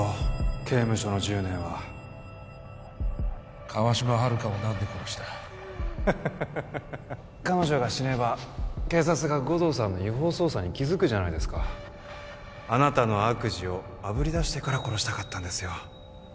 刑務所の１０年は川島春香を何で殺した彼女が死ねば警察が護道さんの違法捜査に気づくじゃないですかあなたの悪事をあぶり出してから殺したかったんですよ